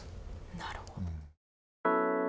なるほど。